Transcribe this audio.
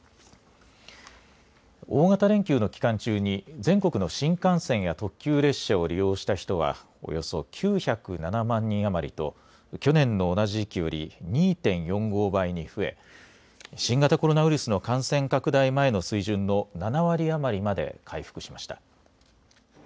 大型連休の期間中に、全国の新幹線や特急列車を利用した人は、およそ９０７万人余りと、去年の同じ時期より２．４５倍に増え、新型コロナウイルスの感染拡大前の水準の７割余りまで回復しました。